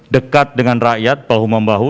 dekat dengan rakyat bahu membahu